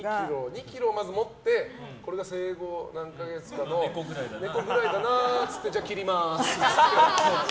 ２ｋｇまず持ってこれが生後何か月かの猫くらいかなって言ってじゃあ切りますって言って。